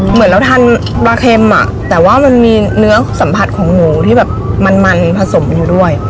เหมือนเราทานปลาเค็มอ่ะแต่ว่ามันมีเนื้อสัมผัสของหมูที่แบบมันผสมกันอยู่ด้วย